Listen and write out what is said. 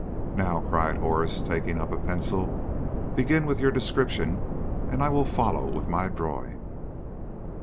"Now," cried Horace, taking up a pencil, "begin with your description, and I will follow with my drawing."